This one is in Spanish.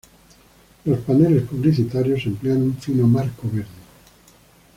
Los paneles publicitarios emplean un fino marco verde.